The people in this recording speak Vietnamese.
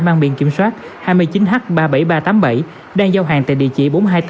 mang biên kiểm soát hai mươi chín h ba mươi bảy nghìn ba trăm tám mươi bảy đang giao hàng tại địa chỉ